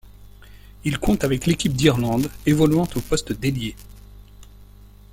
Il compte avec l'équipe d'Irlande, évoluant au poste d'ailier.